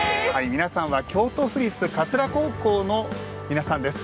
皆さんは京都府立桂高校の皆さんです。